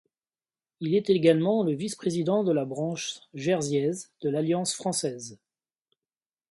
Il est également le vice-président de la branche jersiaise de l'Alliance française.